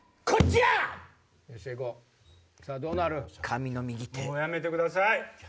もうやめてください！